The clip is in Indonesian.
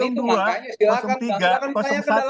ini makanya silahkan tanya ke dalam ruang sidang